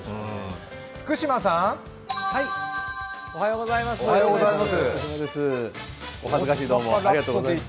福島さん、おはようございます。